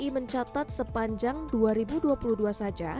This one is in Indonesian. mencatat sepanjang dua ribu dua puluh dua saja